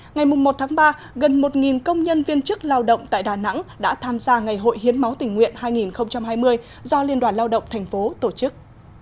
ngày một ba gần một công nhân viên chức lao động tại đà nẵng đã tham gia ngày hội hiến máu tình nguyện hai nghìn hai mươi do liên đoàn lao động tp tổ chức